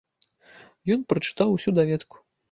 Ён прачытаў усю даведку.